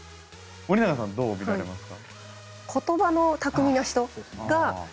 森永さんどう見られますか？